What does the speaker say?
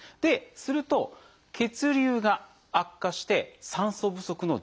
すると血流が悪化して酸素不足の状態になる。